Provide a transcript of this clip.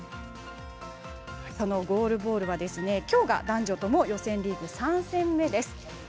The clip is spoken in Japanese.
そのゴールボールはきょうが男女とも予選リーグ３戦目です。